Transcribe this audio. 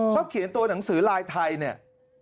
เขียนตัวหนังสือลายไทยเนี่ย